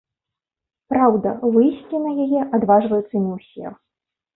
Праўда, выйсці на яе адважваюцца не ўсе.